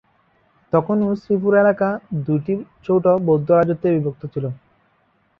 তখনও শ্রীপুর এলাকা দুইটি ছোট বৌদ্ধ রাজত্বে বিভক্ত ছিল।